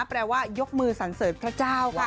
แปลว่ายกมือสันเสริญพระเจ้าค่ะ